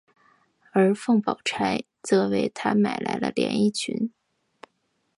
而凤宝钗则为他买来了连衣裙。